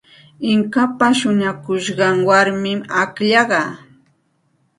Inkapa shuñakushqan warmim akllaqa.